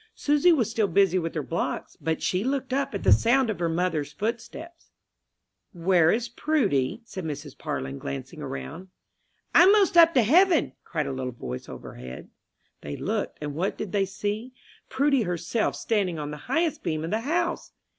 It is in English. Susy was still busy with her blocks, but she looked up at the sound of her mother's footsteps. "Where is Prudy?" said Mrs. Parlin, glancing around. "I'm 'most up to heaven," cried a little voice overhead. They looked, and what did they see? Prudy herself standing on the highest beam of the house!